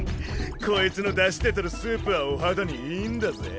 こいつのダシでとるスープはお肌にいいんだぜぇ。